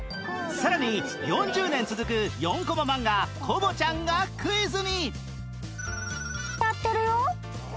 さらに４０年続く４コマ漫画『コボちゃん』がクイズに